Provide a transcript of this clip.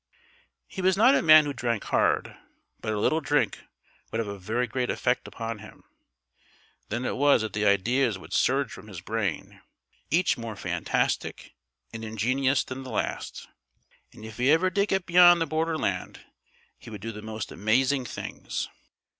He was not a man who drank hard, but a little drink would have a very great effect upon him. Then it was that the ideas would surge from his brain, each more fantastic and ingenious than the last. And if ever he did get beyond the borderland he would do the most amazing things.